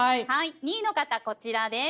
２位の方こちらです。